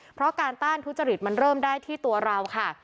เพราะการต้านทุจริตมันเริ่มได้ที่ตัวเราค่ะ